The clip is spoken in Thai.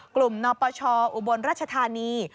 กลุ่มนพชอุบลรัชธานี